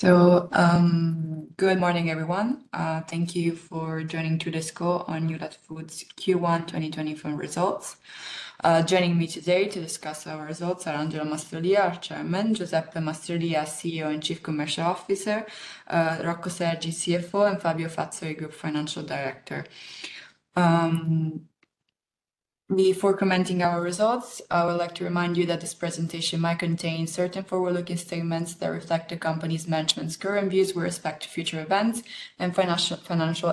Good morning, everyone. Thank you for joining today's call on Newlat Food;s Q1 2024 Results. Joining me today to discuss our results are Angelo Mastrolia, our Chairman, Giuseppe Mastrolia, CEO and Chief Commercial Officer, Rocco Sergi, CFO, and Fabio Fazzari, Group Financial Director. Before commenting on our results, I would like to remind you that this presentation might contain certain forward-looking statements that reflect the company's management's current views with respect to future events and financial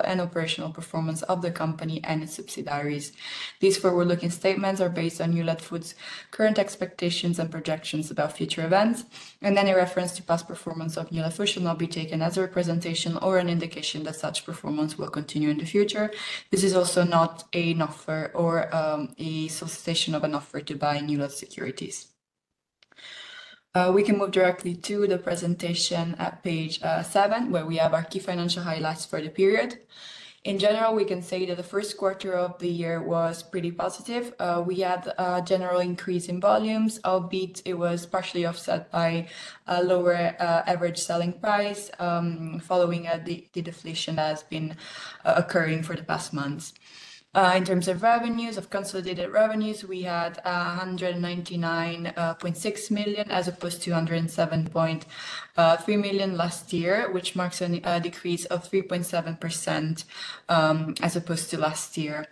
and operational performance of the company and its subsidiaries. These forward-looking statements are based on Newlat Food's current expectations and projections about future events, and any reference to past performance of Newlat Food shall not be taken as a representation or an indication that such performance will continue in the future. This is also not an offer or a solicitation of an offer to buy Newlat Securities. We can move directly to the presentation at page 7, where we have our key financial highlights for the period. In general, we can say that the first quarter of the year was pretty positive. We had a general increase in volumes, albeit it was partially offset by a lower average selling price, following the deflation that has been occurring for the past months. In terms of revenues, of consolidated revenues, we had 199.6 million as opposed to 107.3 million last year, which marks a decrease of 3.7%, as opposed to last year.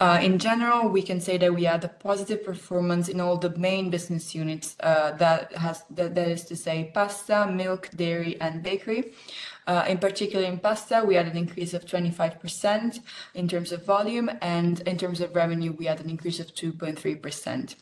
In general, we can say that we had a positive performance in all the main business units, that has—that is to say, pasta, milk, dairy, and bakery. In particular, in pasta, we had an increase of 25% in terms of volume, and in terms of revenue, we had an increase of 2.3%.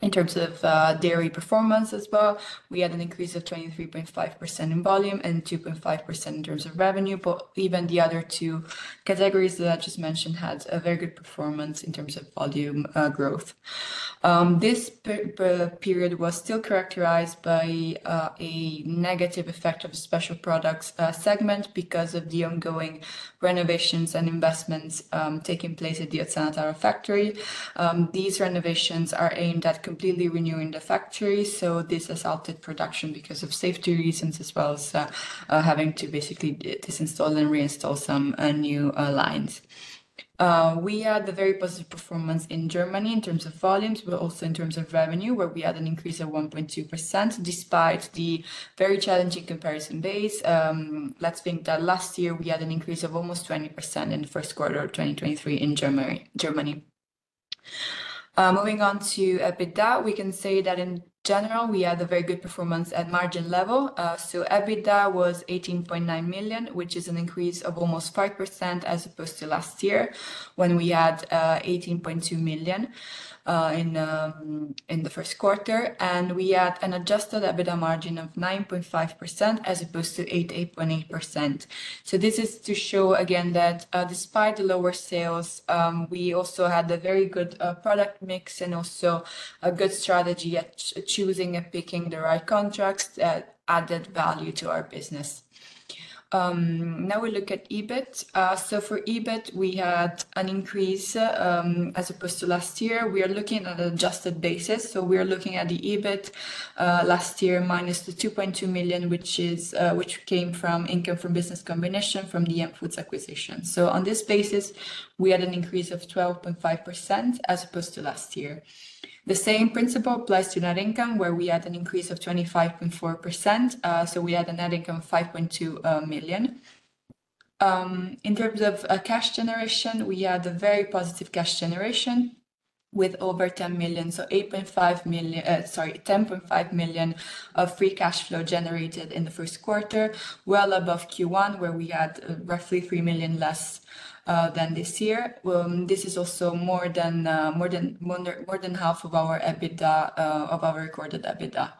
In terms of dairy performance as well, we had an increase of 23.5% in volume and 2.5% in terms of revenue, but even the other two categories that I just mentioned had a very good performance in terms of volume growth. This period was still characterized by a negative effect of a special products segment because of the ongoing renovations and investments taking place at the Ozzano Taro factory. These renovations are aimed at completely renewing the factory, so this has halted production because of safety reasons as well as having to basically disinstall and reinstall some new lines. We had a very positive performance in Germany in terms of volumes, but also in terms of revenue, where we had an increase of 1.2% despite the very challenging comparison base. Let's think that last year we had an increase of almost 20% in the first quarter of 2023 in Germany. Moving on to EBITDA, we can say that in general we had a very good performance at margin level. So EBITDA was 18.9 million, which is an increase of almost 5% as opposed to last year when we had 18.2 million in the first quarter, and we had an adjusted EBITDA margin of 9.5% as opposed to 88.8%. So this is to show, again, that, despite the lower sales, we also had a very good product mix and also a good strategy at choosing and picking the right contracts that added value to our business. Now we look at EBIT. So for EBIT, we had an increase, as opposed to last year. We are looking at an adjusted basis, so we are looking at the EBIT last year minus the 2.2 million, which came from income from business combination from the EM Foods acquisition. So on this basis, we had an increase of 12.5% as opposed to last year. The same principle applies to net income, where we had an increase of 25.4%, so we had a net income of 5.2 million. In terms of cash generation, we had a very positive cash generation with over 10 million, so 10.5 million of free cash flow generated in the first quarter, well above Q1, where we had roughly 3 million less than this year. This is also more than half of our EBITDA, of our recorded EBITDA.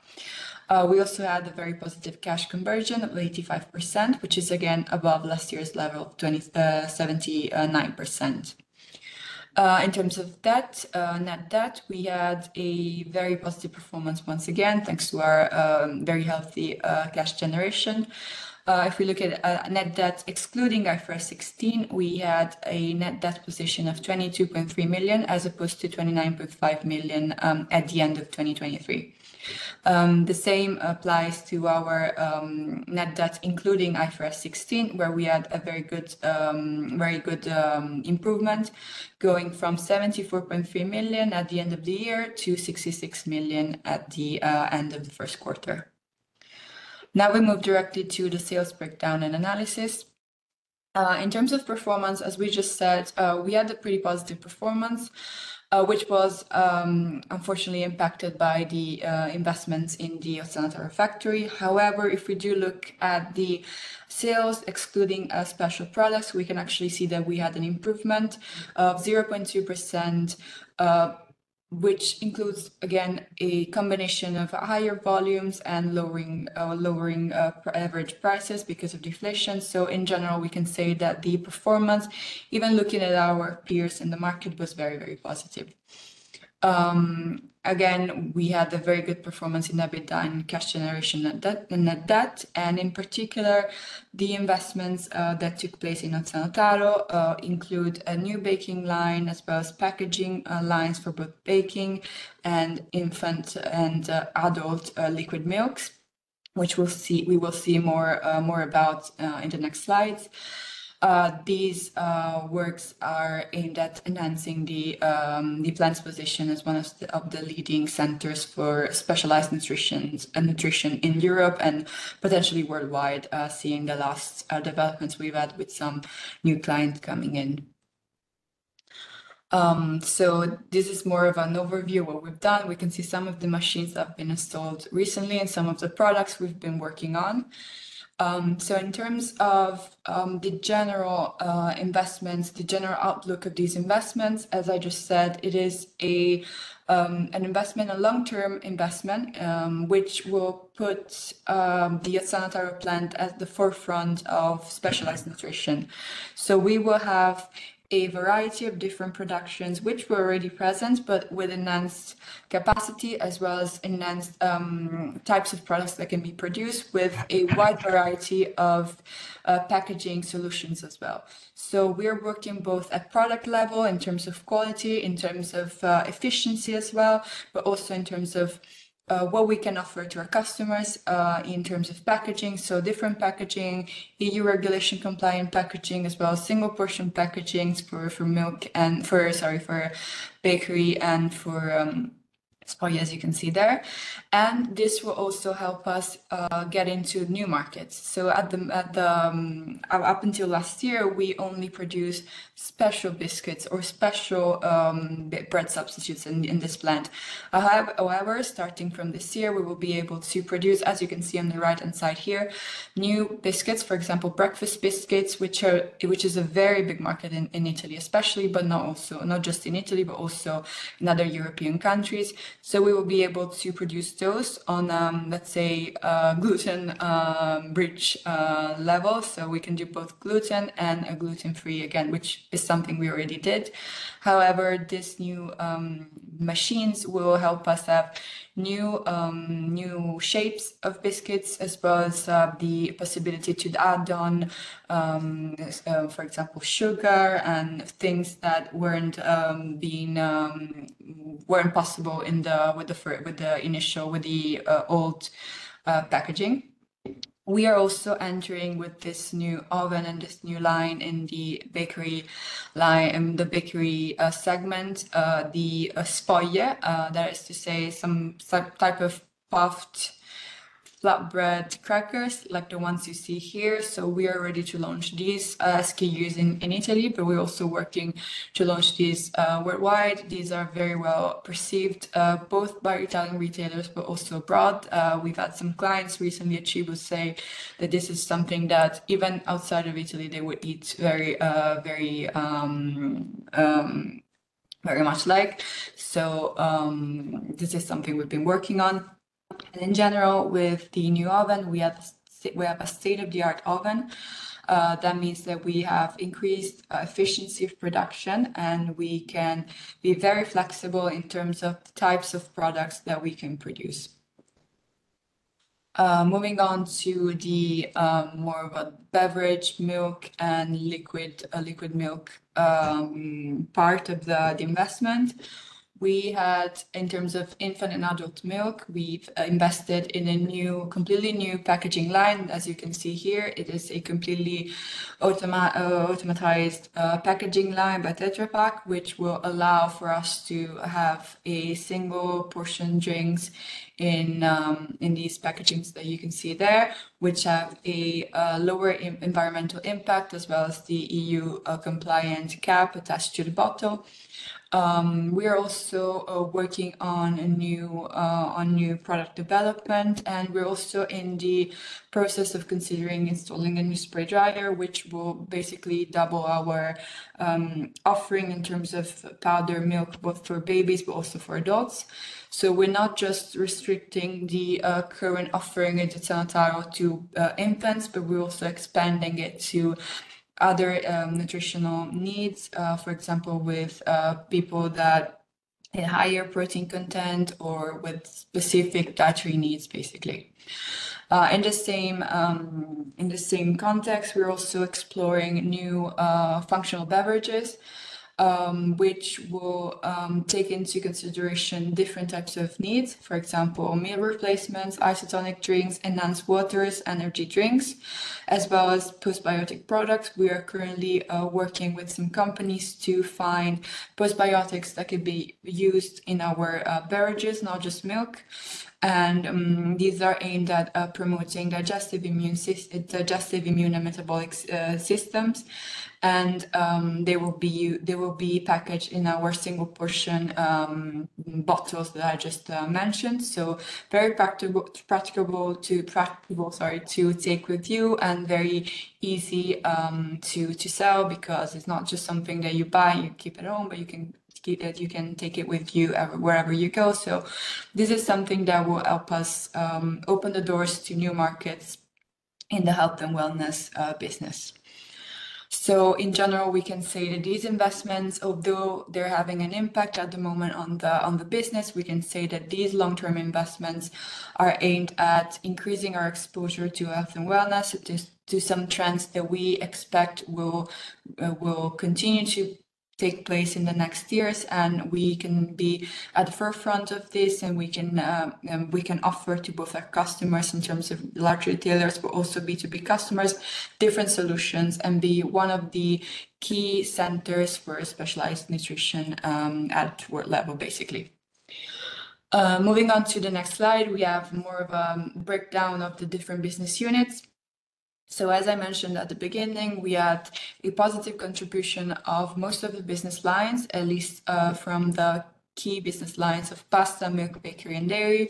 We also had a very positive cash conversion of 85%, which is again above last year's level of 79%. In terms of debt, net debt, we had a very positive performance once again thanks to our very healthy cash generation. If we look at net debt excluding IFRS 16, we had a net debt position of 22.3 million as opposed to 29.5 million at the end of 2023. The same applies to our net debt including IFRS 16, where we had a very good, very good, improvement going from 74.3 million at the end of the year to 66 million at the end of the first quarter. Now we move directly to the sales breakdown and analysis. In terms of performance, as we just said, we had a pretty positive performance, which was unfortunately impacted by the investments in the Ozzano Taro Factory. However, if we do look at the sales excluding special products, we can actually see that we had an improvement of 0.2%, which includes again a combination of higher volumes and lowering average prices because of deflation. So in general, we can say that the performance, even looking at our peers in the market, was very, very positive. Again, we had a very good performance in EBITDA and cash generation, net debt, and in particular, the investments that took place in Ozzano Taro include a new baking line as well as packaging lines for both baking and infant and adult liquid milks, which we'll see—we will see more, more about, in the next slides. These works are aimed at enhancing the plant's position as one of the leading centers for specialized nutrition in Europe and potentially worldwide, given the latest developments we've had with some new clients coming in. So this is more of an overview of what we've done. We can see some of the machines that have been installed recently and some of the products we've been working on. So in terms of the general investments, the general outlook of these investments, as I just said, it is a, an investment, a long-term investment, which will put the Ozzano Taro plant at the forefront of specialized nutrition. So we will have a variety of different productions, which were already present, but with enhanced capacity as well as enhanced types of products that can be produced with a wide variety of packaging solutions as well. So we are working both at product level in terms of quality, in terms of efficiency as well, but also in terms of what we can offer to our customers, in terms of packaging. So different packaging, EU regulation compliant packaging as well, single portion packagings for milk and for, sorry, for bakery and for spaghetti, as you can see there. And this will also help us get into new markets. So up until last year, we only produced special biscuits or special bread substitutes in this plant. However, starting from this year, we will be able to produce, as you can see on the right-hand side here, new biscuits, for example, breakfast biscuits, which is a very big market in Italy especially, but not just in Italy, but also in other European countries. So we will be able to produce those on, let's say, gluten-rich level. So we can do both gluten and gluten-free, again, which is something we already did. However, these new machines will help us have new shapes of biscuits as well as the possibility to add on, for example, sugar and things that weren't possible with the initial old packaging. We are also entering with this new oven and this new line in the bakery line and the bakery segment, the spaghetti, that is to say some type of puffed flatbread crackers like the ones you see here. So we are ready to launch these in Italy, but we're also working to launch these worldwide. These are very well perceived, both by Italian retailers, but also abroad. We've had some clients recently at Cibus say that this is something that even outside of Italy they would eat very, very, very much like. So, this is something we've been working on. And in general, with the new oven, we have a state-of-the-art oven. That means that we have increased efficiency of production and we can be very flexible in terms of types of products that we can produce. Moving on to the more of a beverage, milk, and liquid—a liquid milk, part of the the investment. We had, in terms of infant and adult milk, we've invested in a new—completely new packaging line. As you can see here, it is a completely automated packaging line, Tetra Pak, which will allow for us to have single-portion drinks in these packagings that you can see there, which have a lower environmental impact as well as the EU-compliant cap attached to the bottle. We are also working on a new— on new product development, and we're also in the process of considering installing a new spray dryer, which will basically double our offering in terms of powder milk, both for babies but also for adults. So we're not just restricting the current offering at Ozzano Taro to infants, but we're also expanding it to other nutritional needs, for example, with people that have a higher protein content or with specific dietary needs, basically. In the same context, we're also exploring new functional beverages, which will take into consideration different types of needs, for example, meal replacements, isotonic drinks, enhanced waters, energy drinks, as well as postbiotic products. We are currently working with some companies to find postbiotics that could be used in our beverages, not just milk. And these are aimed at promoting digestive, immune and metabolic systems. And they will be packaged in our single portion bottles that I just mentioned. So very practical to take with you and very easy to sell because it's not just something that you buy and you keep at home, but you can keep it, you can take it with you wherever you go. So this is something that will help us open the doors to new markets in the health and wellness business. So in general, we can say that these investments, although they're having an impact at the moment on the business, we can say that these long-term investments are aimed at increasing our exposure to health and wellness to some trends that we expect will continue to take place in the next years. And we can be at the forefront of this, and we can, we can offer to both our customers in terms of large retailers, but also B2B customers, different solutions and be one of the key centers for specialized nutrition, at world level, basically. Moving on to the next slide, we have more of a breakdown of the different business units. So as I mentioned at the beginning, we had a positive contribution of most of the business lines, at least, from the key business lines of pasta, milk, bakery, and dairy.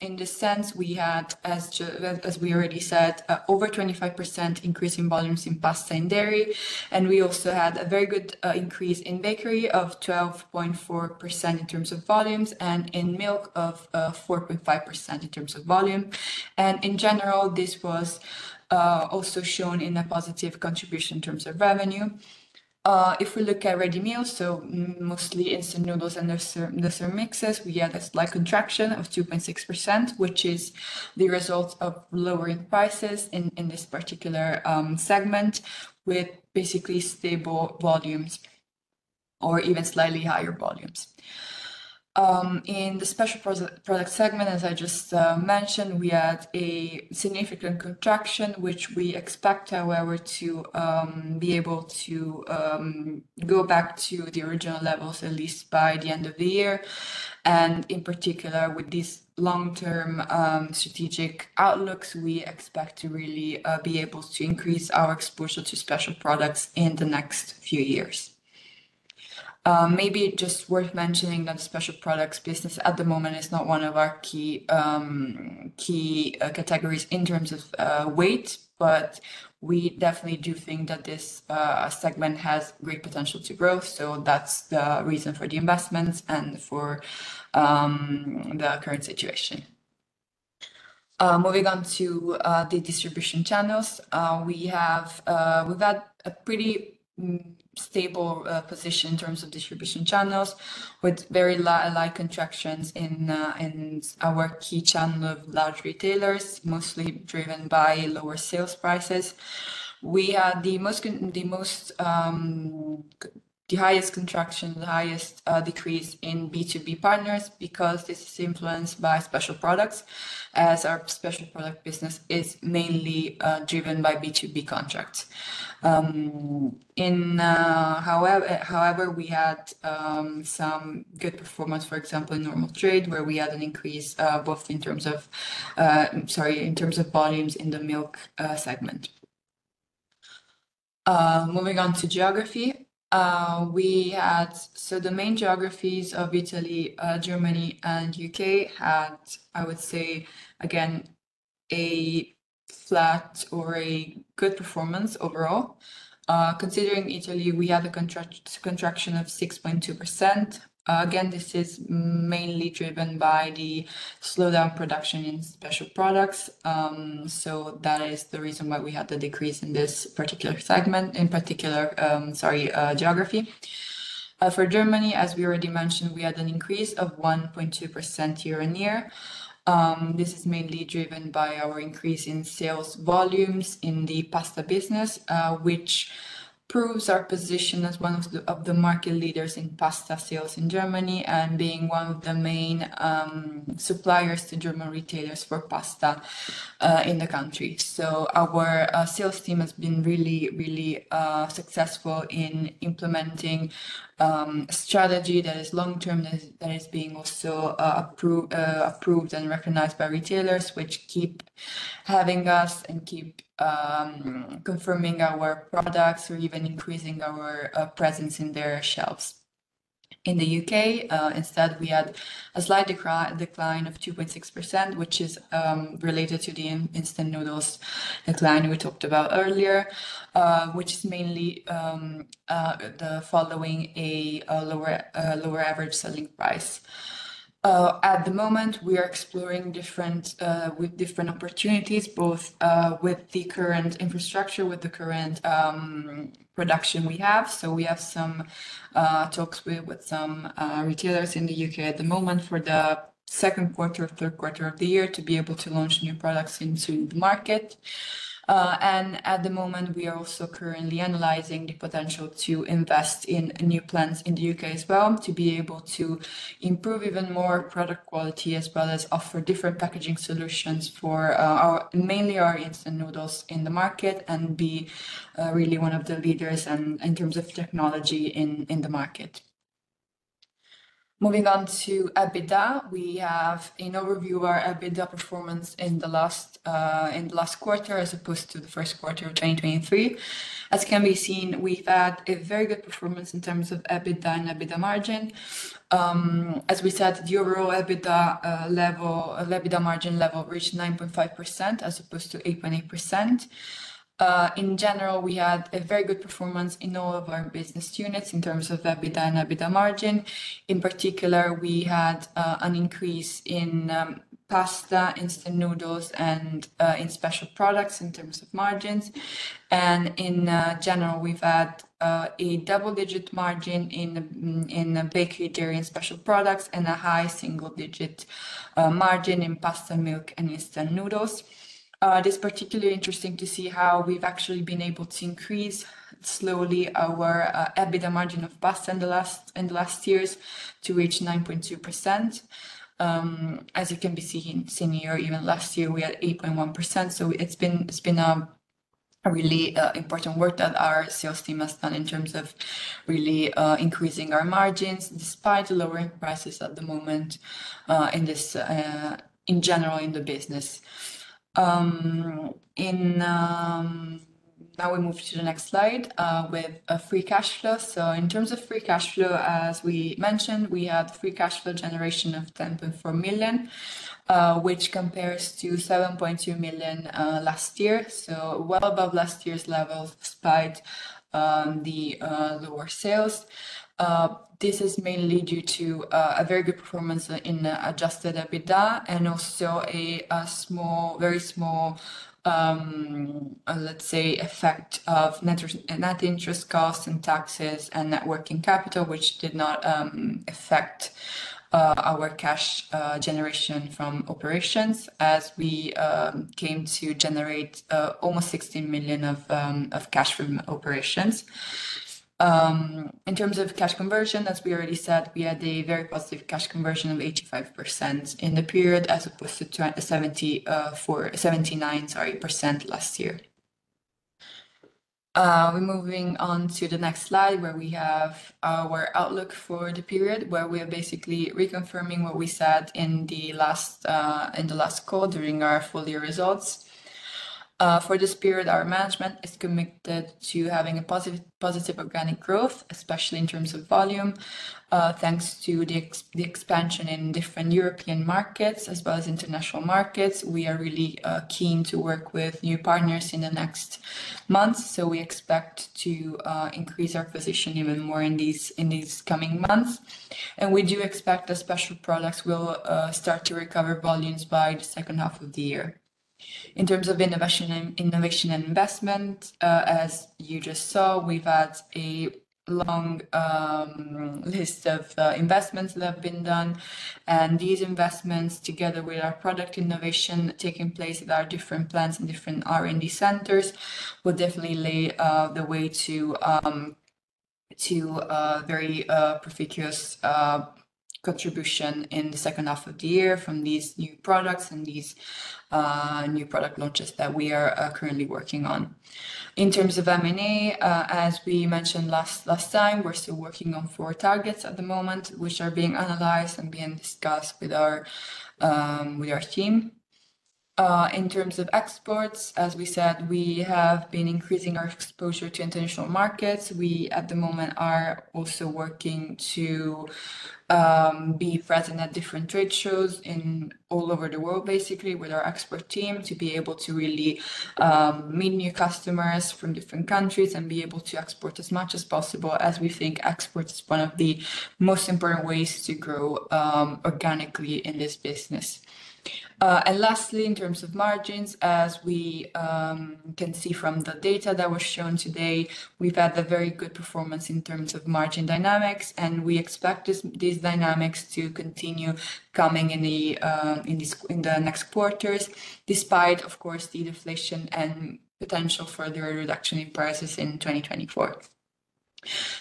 In the sense, we had, as we already said, over 25% increase in volumes in pasta and dairy. And we also had a very good increase in bakery of 12.4% in terms of volumes and in milk of 4.5% in terms of volume. And in general, this was also shown in a positive contribution in terms of revenue. If we look at ready meals, so mostly instant noodles and dessert mixes, we had a slight contraction of 2.6%, which is the result of lowering prices in this particular segment with basically stable volumes or even slightly higher volumes. In the special product segment, as I just mentioned, we had a significant contraction, which we expect, however, to be able to go back to the original levels, at least by the end of the year. And in particular, with these long-term strategic outlooks, we expect to really be able to increase our exposure to special products in the next few years. Maybe just worth mentioning that the special products business at the moment is not one of our key categories in terms of weight, but we definitely do think that this segment has great potential to growth. So that's the reason for the investments and for the current situation. Moving on to the distribution channels, we have, we've had a pretty stable position in terms of distribution channels with very light contractions in our key channel of large retailers, mostly driven by lower sales prices. We had the highest contraction, the highest decrease in B2B partners because this is influenced by special products, as our special product business is mainly driven by B2B contracts. However, we had some good performance, for example, in normal trade, where we had an increase, both in terms of, sorry, in terms of volumes in the milk segment. Moving on to geography, we had, so the main geographies of Italy, Germany, and UK had, I would say, again, a flat or a good performance overall. Considering Italy, we had a contraction of 6.2%. Again, this is mainly driven by the slowdown production in special products. So that is the reason why we had the decrease in this particular segment, in particular, sorry, geography. For Germany, as we already mentioned, we had an increase of 1.2% year-on-year. This is mainly driven by our increase in sales volumes in the pasta business, which proves our position as one of the market leaders in pasta sales in Germany and being one of the main suppliers to German retailers for pasta in the country. So our sales team has been really, really successful in implementing a strategy that is long-term, that is being also approved and recognized by retailers, which keep having us and keep confirming our products or even increasing our presence in their shelves. In the UK, instead, we had a slight decline of 2.6%, which is related to the instant noodles decline we talked about earlier, which is mainly following a lower average selling price. At the moment, we are exploring different with different opportunities, both with the current infrastructure, with the current production we have. So we have some talks with some retailers in the UK at the moment for the second quarter or third quarter of the year to be able to launch new products into the market. And at the moment, we are also currently analyzing the potential to invest in new plants in the UK as well, to be able to improve even more product quality as well as offer different packaging solutions for our mainly our instant noodles in the market and be really one of the leaders in terms of technology in the market. Moving on to EBITDA, we have an overview of our EBITDA performance in the last quarter as opposed to the first quarter of 2023. As can be seen, we've had a very good performance in terms of EBITDA and EBITDA margin. As we said, the overall EBITDA level, EBITDA margin level reached 9.5% as opposed to 8.8%. In general, we had a very good performance in all of our business units in terms of EBITDA and EBITDA margin. In particular, we had an increase in pasta, instant noodles, and in special products in terms of margins. In general, we've had a double-digit margin in bakery, dairy, and special products, and a high single-digit margin in pasta, milk, and instant noodles. It is particularly interesting to see how we've actually been able to increase slowly our EBITDA margin of pasta in the last years to reach 9.2%. As you can see, even last year, we had 8.1%. So it's been a really important work that our sales team has done in terms of really increasing our margins despite the lowering prices at the moment in this business. Now we move to the next slide with a free cash flow. So in terms of free cash flow, as we mentioned, we had free cash flow generation of 10.4 million, which compares to 7.2 million last year. So well above last year's levels despite the lower sales. This is mainly due to a very good performance in Adjusted EBITDA and also a small, very small, let's say, effect of net interest costs and taxes and Net Working Capital, which did not affect our cash generation from operations as we came to generate almost 16 million of cash from operations. In terms of cash conversion, as we already said, we had a very positive cash conversion of 85% in the period as opposed to 79% last year. We're moving on to the next slide where we have our outlook for the period where we are basically reconfirming what we said in the last call during our full year results. For this period, our management is committed to having a positive organic growth, especially in terms of volume. Thanks to the expansion in different European markets as well as international markets, we are really keen to work with new partners in the next months. So we expect to increase our position even more in these coming months. And we do expect that special products will start to recover volumes by the second half of the year. In terms of innovation and investment, as you just saw, we've had a long list of investments that have been done. These investments, together with our product innovation taking place at our different plants and different R&D centers, will definitely lay the way to a very profitable contribution in the second half of the year from these new products and these new product launches that we are currently working on. In terms of M&A, as we mentioned last time, we're still working on 4 targets at the moment, which are being analyzed and being discussed with our team. In terms of exports, as we said, we have been increasing our exposure to international markets. We, at the moment, are also working to be present at different trade shows all over the world, basically, with our export team to be able to really meet new customers from different countries and be able to export as much as possible. As we think export is one of the most important ways to grow, organically in this business. Lastly, in terms of margins, as we can see from the data that was shown today, we've had a very good performance in terms of margin dynamics, and we expect these dynamics to continue in the next quarters, despite, of course, the deflation and potential further reduction in prices in 2024.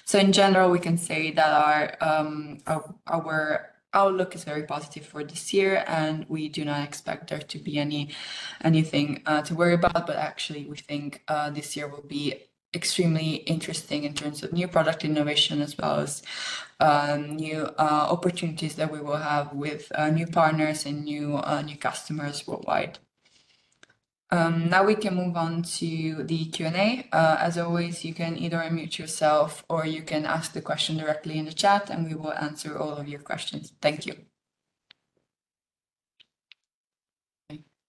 So in general, we can say that our outlook is very positive for this year, and we do not expect there to be anything to worry about. But actually, we think this year will be extremely interesting in terms of new product innovation as well as new opportunities that we will have with new partners and new customers worldwide. Now we can move on to the Q&A. As always, you can either unmute yourself or you can ask the question directly in the chat, and we will answer all of your questions. Thank you.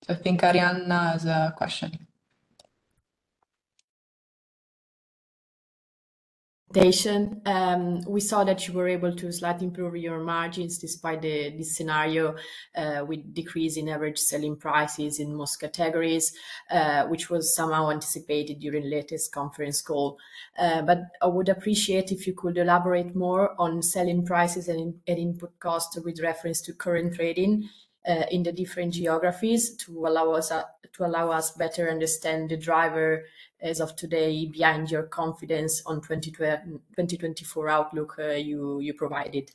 I think Arianna has a question. Daishen, we saw that you were able to slightly improve your margins despite this scenario, with decrease in average selling prices in most categories, which was somehow anticipated during the latest conference call. But I would appreciate if you could elaborate more on selling prices and input costs with reference to current trading, in the different geographies to allow us better understand the driver as of today behind your confidence on 2024 outlook you provided.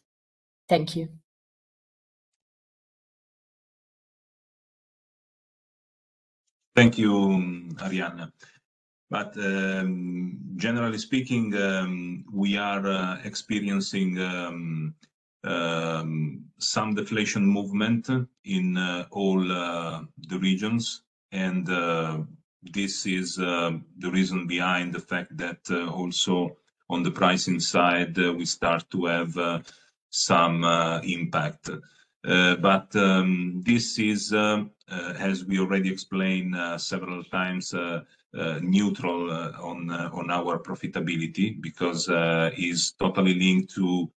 Thank you. Thank you, Arianna. But, generally speaking, we are experiencing some deflation movement in all the regions. And, this is the reason behind the fact that also on the pricing side we start to have some impact. But, this is, as we already explained several times, neutral on our profitability because is totally linked to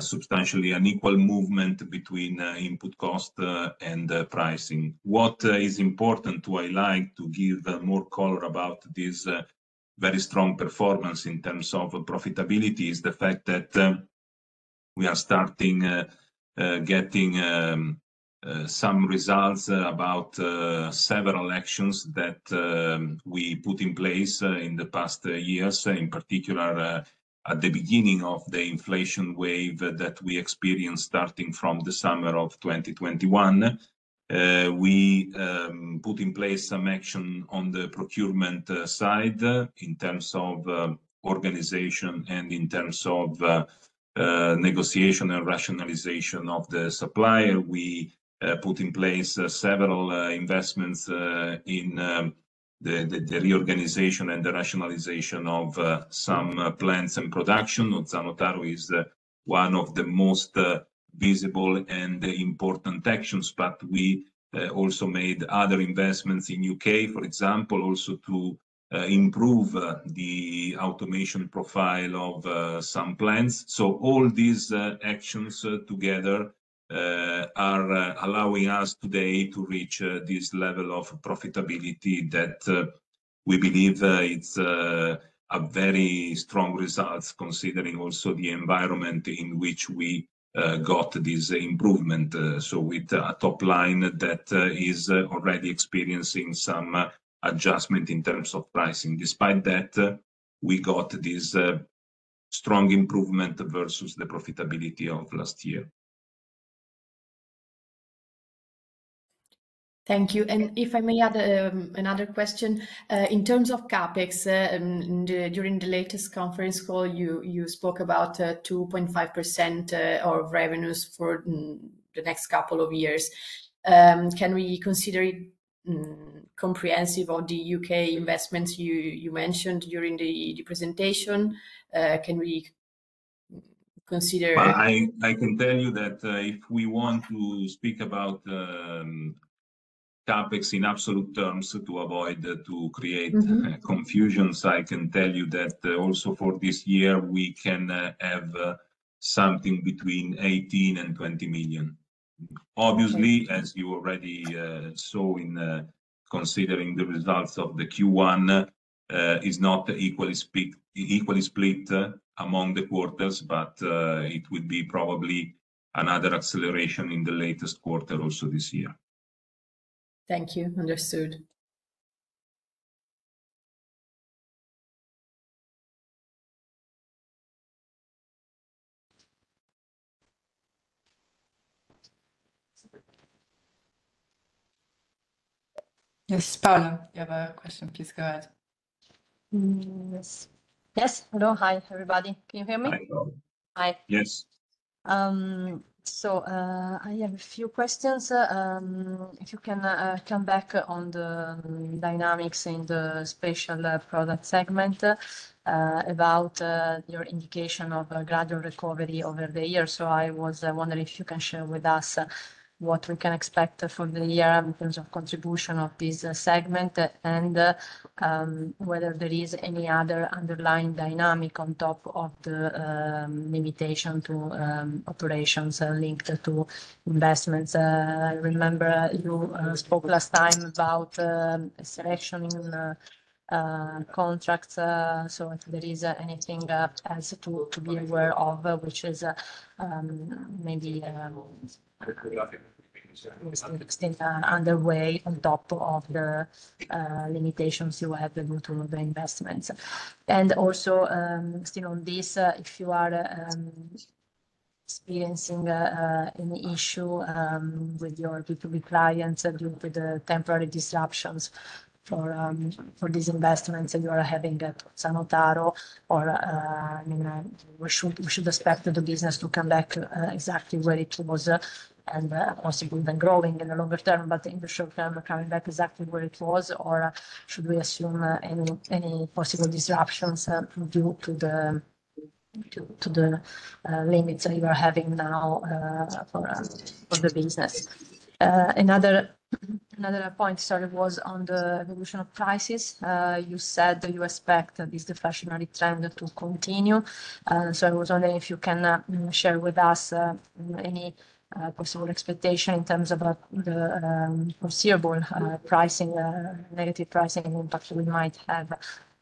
substantially unequal movement between input cost and pricing. What is important to highlight, to give more color about this very strong performance in terms of profitability, is the fact that we are starting getting some results about several actions that we put in place in the past years, in particular, at the beginning of the inflation wave that we experienced starting from the summer of 2021. We put in place some action on the procurement side in terms of organization and in terms of negotiation and rationalization of the supplier. We put in place several investments in the reorganization and the rationalization of some plants and production. Ozzano Taro is one of the most visible and important actions, but we also made other investments in UK, for example, also to improve the automation profile of some plants. So all these actions together are allowing us today to reach this level of profitability that we believe it's a very strong result considering also the environment in which we got this improvement. So with a top line that is already experiencing some adjustment in terms of pricing. Despite that, we got this strong improvement versus the profitability of last year. Thank you. If I may add another question, in terms of CapEx, during the latest conference call, you spoke about 2.5% of revenues for the next couple of years. Can we consider it comprehensive of the UK investments you mentioned during the presentation? I can tell you that if we want to speak about CapEx in absolute terms to avoid to create confusion, I can tell you that also for this year we can have something between 18 million and 20 million. Obviously, as you already saw in considering the results of the Q1, it's not equally split among the quarters, but it would be probably another acceleration in the latest quarter also this year. Thank you. Understood. Yes, Paola, you have a question. Please go ahead. Yes. Yes. Hello. Hi, everybody. Can you hear me? Hi. Hi. Yes. So, I have a few questions. If you can, come back on the dynamics in the special product segment, about your indication of gradual recovery over the year. So I was wondering if you can share with us what we can expect for the year in terms of contribution of this segment and whether there is any other underlying dynamic on top of the limitation to operations linked to investments. I remember you spoke last time about selection in contracts. So if there is anything else to be aware of, which is maybe still underway on top of the limitations you have to do to the investments. And also, still on this, if you are experiencing any issue with your B2B clients due to the temporary disruptions for these investments that you are having at Ozzano Taro or, I mean, we should expect the business to come back exactly where it was and possibly then growing in the longer term, but in the short term, coming back exactly where it was, or should we assume any possible disruptions due to the limits that you are having now for the business? Another point, sorry, was on the evolution of prices. You said that you expect this deflationary trend to continue. So I was wondering if you can share with us any possible expectation in terms of the foreseeable pricing, negative pricing and impact we might have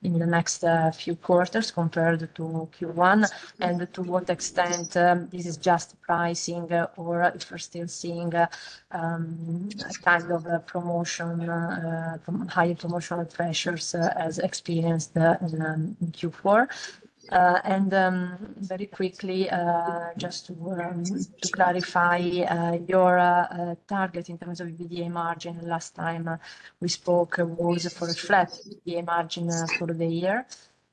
in the next few quarters compared to Q1 and to what extent this is just pricing or if we're still seeing kind of promotion, higher promotional pressures as experienced in Q4. And, very quickly, just to clarify, your target in terms of EBITDA margin last time we spoke was for a flat EBITDA margin for the year,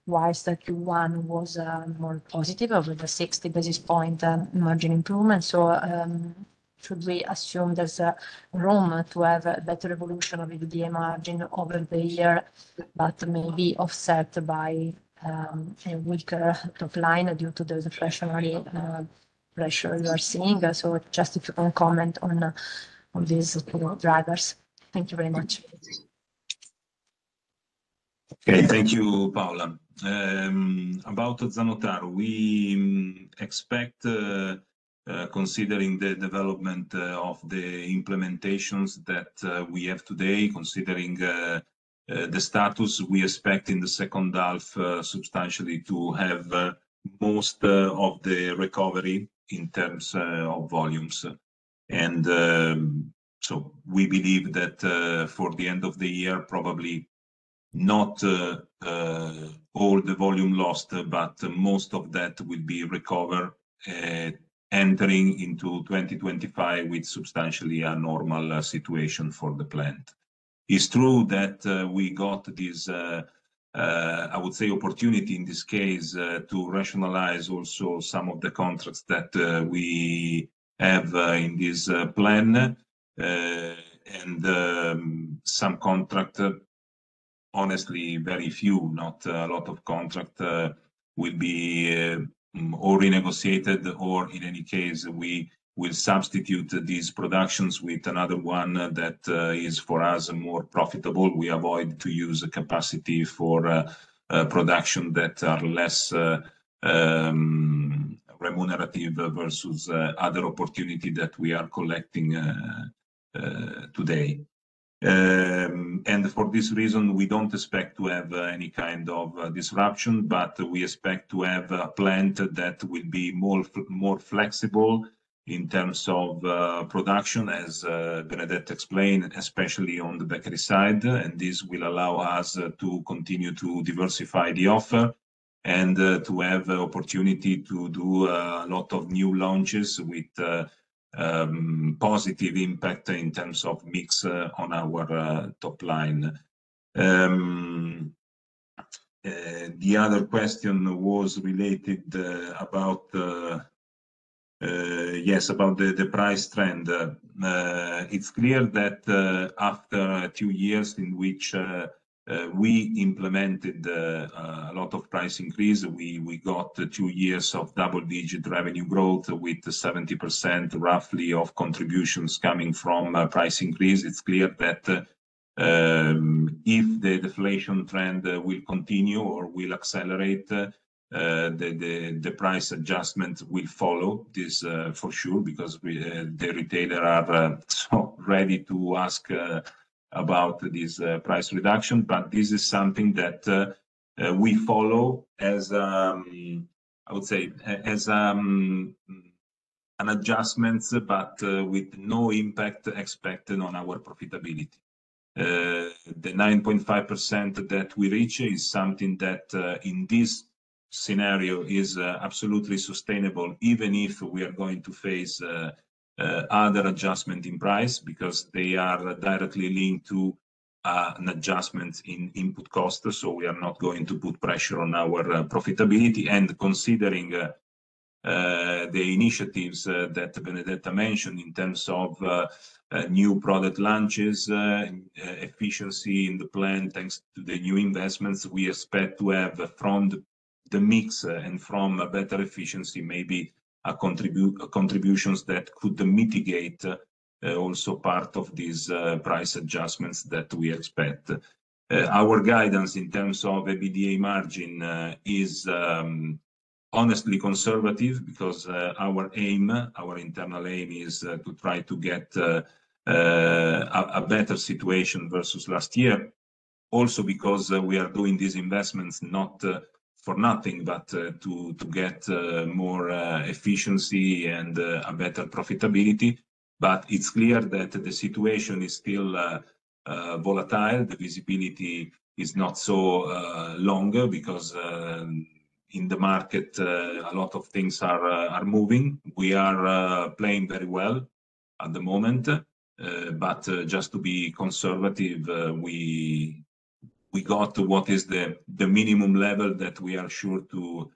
while Q1 was more positive over the 60 basis point margin improvement. So, should we assume there's room to have a better evolution of EBITDA margin over the year, but maybe offset by a weaker top line due to the deflationary pressure you are seeing? So just if you can comment on these two drivers. Thank you very much. Okay. Thank you, Paola. About Ozzano Taro, we expect, considering the development of the implementations that we have today, considering the status, we expect in the second half substantially to have most of the recovery in terms of volumes. So we believe that, for the end of the year, probably not all the volume lost, but most of that will be recovered, entering into 2025 with substantially a normal situation for the plant. It's true that we got this, I would say opportunity in this case to rationalize also some of the contracts that we have in this plant. And some contracts, honestly, very few, not a lot of contracts, will be, or renegotiated or in any case, we will substitute these productions with another one that is for us more profitable. We avoid to use capacity for production that are less remunerative versus other opportunity that we are collecting today. And for this reason, we don't expect to have any kind of disruption, but we expect to have a plant that will be more more flexible in terms of production as Benedetta explained, especially on the bakery side. And this will allow us to continue to diversify the offer and to have opportunity to do a lot of new launches with positive impact in terms of mix on our top line. The other question was related about, yes, about the the price trend. It's clear that, after a few years in which we implemented a lot of price increase, we we got two years of double-digit revenue growth with 70% roughly of contributions coming from price increase. It's clear that, if the deflation trend will continue or will accelerate, the price adjustment will follow this, for sure because we, the retailer are, so ready to ask about this price reduction. But this is something that, we follow as, I would say as, an adjustment, but with no impact expected on our profitability. The 9.5% that we reach is something that, in this scenario is absolutely sustainable, even if we are going to face, other adjustment in price because they are directly linked to, an adjustment in input cost. So we are not going to put pressure on our profitability. Considering the initiatives that Benedetta mentioned in terms of new product launches, efficiency in the plant thanks to the new investments, we expect to have from the mix and from better efficiency, maybe a contribution that could mitigate also part of these price adjustments that we expect. Our guidance in terms of EBITDA margin is honestly conservative because our aim, our internal aim is to try to get a better situation versus last year, also because we are doing these investments not for nothing, but to get more efficiency and a better profitability. But it's clear that the situation is still volatile. The visibility is not so long because in the market, a lot of things are moving. We are playing very well at the moment. But just to be conservative, we got what is the minimum level that we are sure to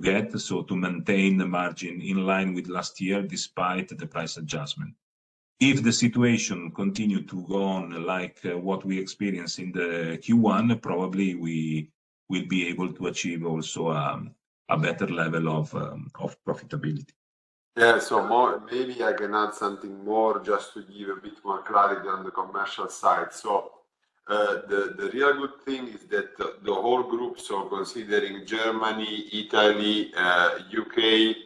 get, so to maintain the margin in line with last year despite the price adjustment. If the situation continued to go on like what we experienced in the Q1, probably we will be able to achieve also a better level of profitability. Yeah. So maybe I can add something more just to give a bit more clarity on the commercial side. So, the real good thing is that the whole group, so considering Germany, Italy, UK,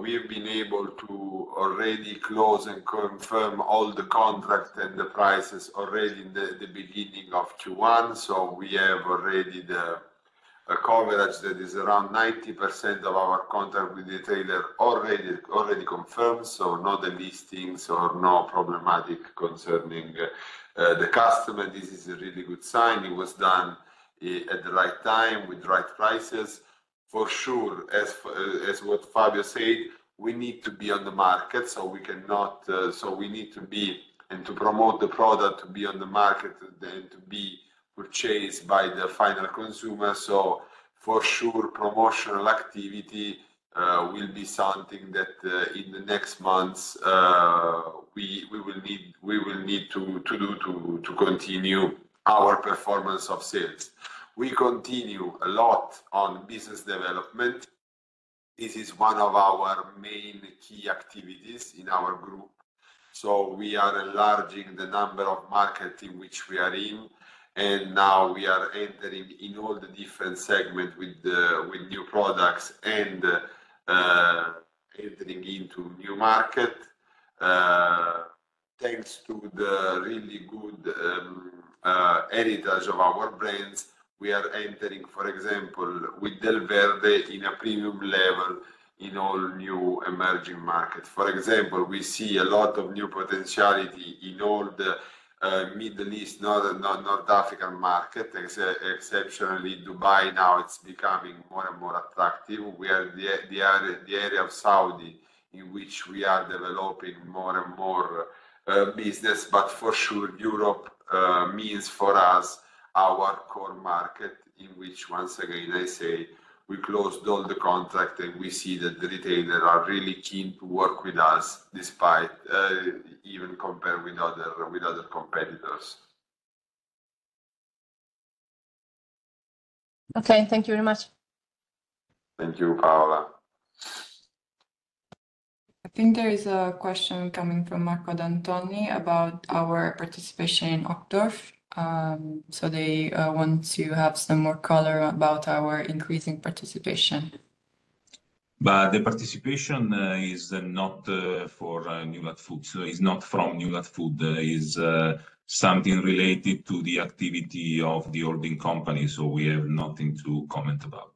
we've been able to already close and confirm all the contract and the prices already in the beginning of Q1. So we have already the coverage that is around 90% of our contract with the retailer already confirmed. So no delistings or no problematic concerning the customer. This is a really good sign. It was done at the right time with the right prices. For sure, as what Fabio said, we need to be on the market. So we cannot so we need to be and to promote the product to be on the market and to be purchased by the final consumer. So for sure, promotional activity will be something that in the next months, we will need to do to continue our performance of sales. We continue a lot on business development. This is one of our main key activities in our group. So we are enlarging the number of markets in which we are in. And now we are entering in all the different segments with new products and entering into new market. Thanks to the really good heritage of our brands, we are entering, for example, with Delverde in a premium level in all new emerging markets. For example, we see a lot of new potentiality in all the Middle East, North African market, especially Dubai. Now it's becoming more and more attractive. We are in the area of Saudi in which we are developing more and more business. But for sure, Europe means for us our core market in which, once again, I say, we closed all the contracts and we see that the retailers are really keen to work with us despite even compared with other competitors. Okay. Thank you very much. Thank you, Paola. I think there is a question coming from Marco D'Antoni about our participation in OVS. So they want to have some more color about our increasing participation. But the participation is not for Newlat Food. So it's not from Newlat Food. It's, something related to the activity of the holding company. So we have nothing to comment about.